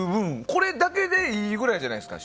これだけでいいぐらいじゃないですか。